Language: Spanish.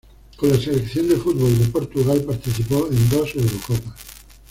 Con la selección de fútbol de Portugal participó en dos Eurocopas.